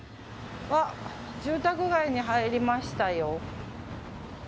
住宅街に入りましたよ。